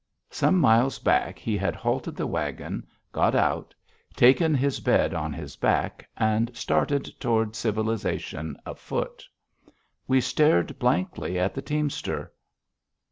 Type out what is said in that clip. _ Some miles back he had halted the wagon, got out, taken his bed on his back, and started toward civilization afoot. We stared blankly at the teamster.